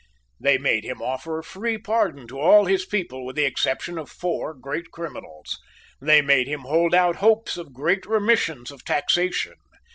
They made him offer a free pardon to all his people with the exception of four great criminals. They made him hold out hopes of great remissions of taxation.